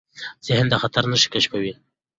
ذهن د خطر نښې کشفوي.